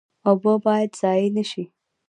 اوبه باید ضایع نشي